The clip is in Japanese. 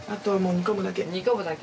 煮込むだけ。